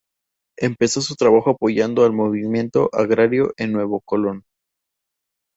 Empezó su trabajo apoyando el Movimiento Agrario en Nuevo Colón.